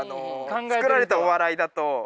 作られたお笑いだと。